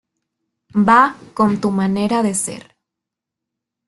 Va con tu manera de ser.